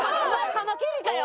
「カマキリかよ！！」